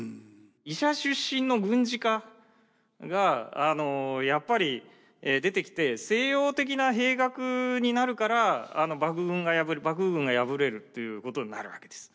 医者出身の軍事家がやっぱり出てきて西洋的な兵学になるから幕府軍が敗れるっていうことになるわけです。